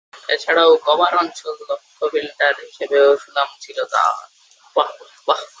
এছাড়াও কভার অঞ্চলে দক্ষ ফিল্ডার হিসেবেও সুনাম ছিল তার।